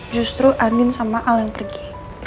justru anin sama al yang pergi